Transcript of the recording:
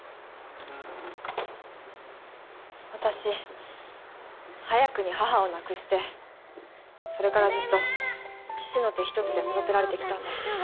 私早くに母を亡くしてそれからずっと父の手一つで育てられてきたんです。